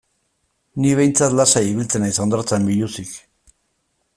Ni behintzat lasai ibiltzen naiz hondartzan biluzik.